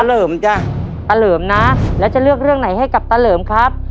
เหลิมจ้ะตาเหลิมนะแล้วจะเลือกเรื่องไหนให้กับตาเหลิมครับ